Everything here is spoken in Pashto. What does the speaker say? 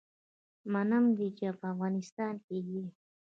منم دی چې په افغانستان کي يي